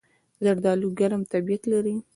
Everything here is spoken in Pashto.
زردالو ګرم طبیعت لري.